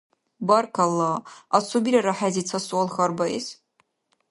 – Баркалла. Асубирару хӀези ца суал хьарбаэс?